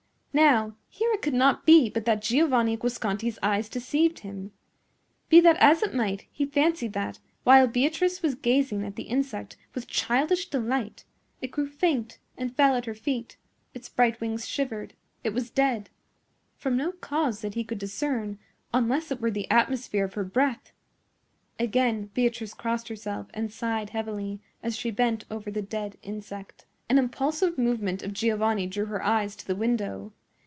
Now, here it could not be but that Giovanni Guasconti's eyes deceived him. Be that as it might, he fancied that, while Beatrice was gazing at the insect with childish delight, it grew faint and fell at her feet; its bright wings shivered; it was dead—from no cause that he could discern, unless it were the atmosphere of her breath. Again Beatrice crossed herself and sighed heavily as she bent over the dead insect. An impulsive movement of Giovanni drew her eyes to the window.